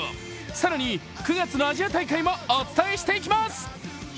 更に９月のアジア大会もお伝えしていきます！